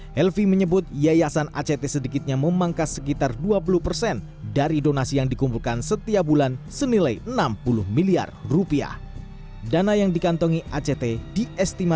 selanjutnya ika juga menyatakan saat ini pihaknya akan berkoordinasi dengan ppatk terkait penerimaan aset yang diterima